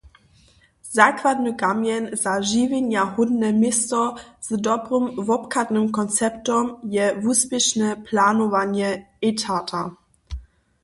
Zakładny kamjeń za žiwjenjahódne město z dobrym wobchadnym konceptom je wuspěšne planowanje etata.